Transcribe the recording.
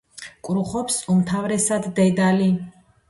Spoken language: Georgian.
კრუხობს უმთავრესად დედალი.